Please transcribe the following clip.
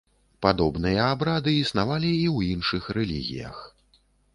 Падобныя абрады існавалі і ў іншых рэлігіях.